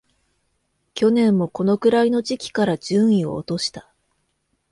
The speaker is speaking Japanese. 去年もこのくらいの時期から順位を落とした